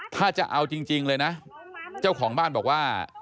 ถ้าจะเอาจริงเลยนะเจ้าของบ้านบอกว่า